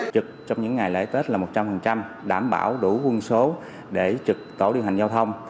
trực trong những ngày lễ tết là một trăm linh đảm bảo đủ quân số để trực tổ điều hành giao thông